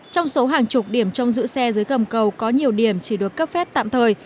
trong số hàng chục điểm trong giữ xe dưới gầm cầu có nhiều điểm chỉ được cấp phép tạm thời